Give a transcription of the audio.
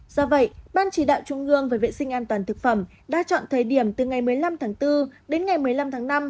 do vậy ban chỉ đạo trung ương về vệ sinh an toàn thực phẩm đã chọn thời điểm từ ngày một mươi năm tháng bốn đến ngày một mươi năm tháng năm